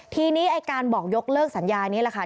ทีนี้ไอ้การบอกยกเลิกสัญญานี้แหละค่ะ